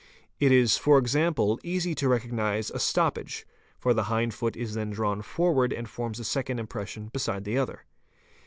It is for example easy to recognise a stoppage, for the hind foot is then drawn forward and forms a second impression beside the other.